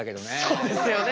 そうですよね。